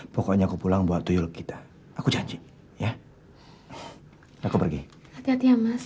pokoknya aku pulang buat duyul kita aku janji ya aku pergi hati hati ya mas